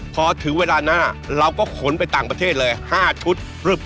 พอถึงเวลาหน้าเราก็ขนไปต่างประเทศเลย๕ชุด